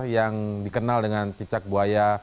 yang dikenal dengan cicak buaya